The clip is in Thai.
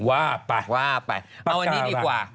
อะว่าไปเอาอันนี้ดีกว่า